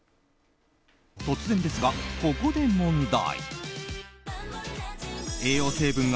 突然ですが、ここで問題。